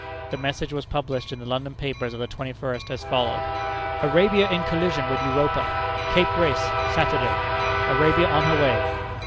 The message was published in the London papers of the twenty first, as follows: "Arabia in collision with Europa, Cape Race, Saturday. Arabia on her way.